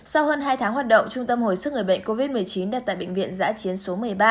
sau hơn hai tháng hoạt động trung tâm hồi sức người bệnh covid một mươi chín đặt tại bệnh viện giã chiến số một mươi ba